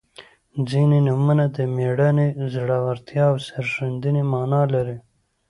• ځینې نومونه د میړانې، زړورتیا او سرښندنې معنا لري.